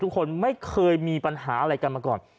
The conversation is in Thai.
ทุกคนไม่เคยมีปัญหาอะไรกันมาก่อน